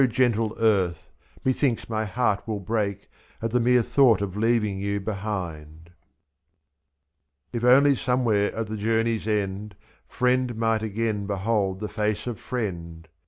2^:2.0 gentle earth, methinks my heart will break At the mere thought of leaving you behind. I 95 If only somewhere at the journey*s end Friend might again behold the face of friend